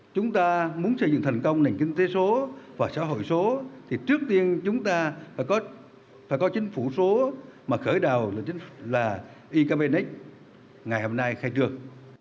chúng ta muốn xây dựng thành công nền kinh tế số và xã hội số thì trước tiên chúng ta phải có chính phủ số mà khởi đào là ekpnx ngày hôm nay khai trường